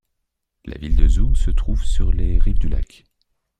La ville de Zoug se trouve sur les rives du lac.